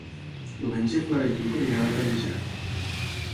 Diumenge na Clara i en Lluc aniran a Pallejà.